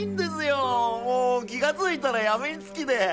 もう気がついたら病み付きで。